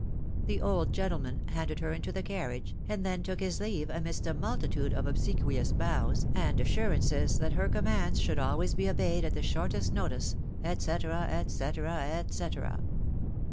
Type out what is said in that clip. The old gentleman handed her into the carriage, and then took his leave amidst a multitude of obsequious bows, and assurances that her commands should Always be obeyed at the shortest notice, tt cetera, et cetera, et cetera.